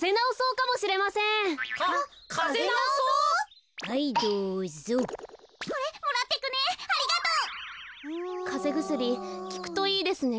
かぜぐすりきくといいですね。